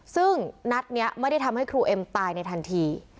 ซึ่งนัดนี้ไม่ได้ทำให้ครูเอ็มตายในทันที